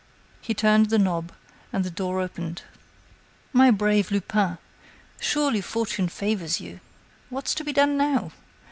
He turned the knob, and the door opened. "My brave Lupin, surely fortune favors you....What's to be done now?